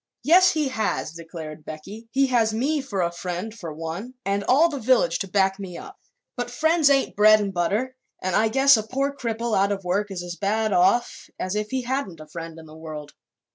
"Yes, he has!" declared Becky. "He has me for a friend, for one, and all the village to back me up. But friends ain't bread an' butter and I guess a poor cripple out of work is as bad off as if he hadn't a friend in the world.